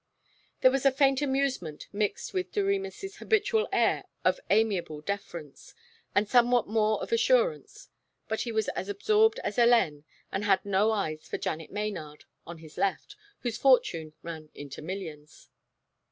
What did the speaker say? There was a faint amusement mixed with Doremus' habitual air of amiable deference, and somewhat more of assurance, but he was as absorbed as Hélène and had no eyes for Janet Maynard, on his left, whose fortune ran into millions.